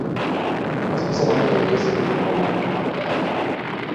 Az üzenetek egy részét Bruno nem mondhatta el.